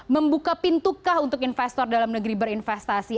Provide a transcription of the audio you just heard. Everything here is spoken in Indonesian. membuka pintukah untuk investor dalam negeri berinvestasi